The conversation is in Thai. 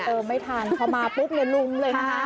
เออไม่ทันเค้ามาปุ๊บลุ้มเลยนะคะ